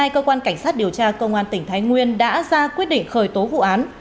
cơ quan cảnh sát điều tra cơ quan tỉnh thái nguyên đã ra quyết định khởi tố vụ án